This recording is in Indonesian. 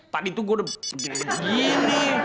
tadi tuh gue udah gini